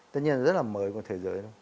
tất nhiên rất là mới của thế giới